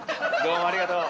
どうもありがとう。